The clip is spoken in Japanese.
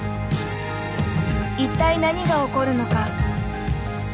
一体何が起こるのか？